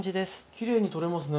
きれいに取れますね。